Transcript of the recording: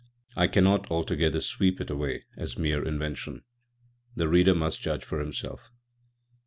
I cannot altogether, sweep it away as mere invention. The reader must judge for himself.